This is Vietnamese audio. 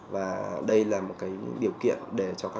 và đây là một cái điều kiện để cho các